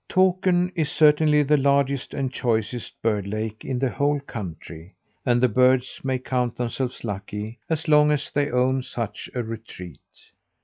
Takern is certainly the largest and choicest bird lake in the whole country; and the birds may count themselves lucky as long as they own such a retreat.